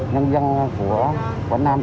nhân dân của quảng nam